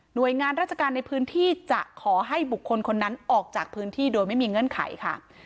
โดยงานราชการในพื้นที่จะขอให้บุคคลคนนั้นออกจากพื้นที่โดยไม่มีเงื่อนไขค่ะ